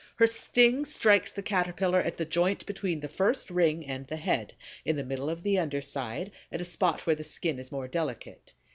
Her sting strikes the Caterpillar at the joint between the first ring and the head, in the middle of the under side, at a spot where the skin is more delicate.